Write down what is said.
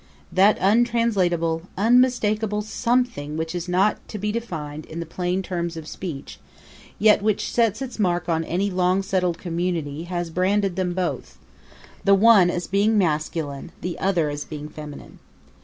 That untranslatable, unmistakable something which is not to be defined in the plain terms of speech, yet which sets its mark on any long settled community, has branded them both the one as being masculine, the other as being feminine.